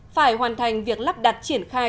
phải hoàn thành việc lắp đặt triển khai